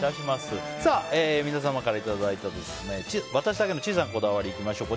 皆様からいただいた私だけの小さいこだわりいきましょう。